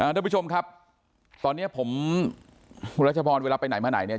ทุกผู้ชมครับตอนนี้ผมคุณรัชพรเวลาไปไหนมาไหนเนี่ย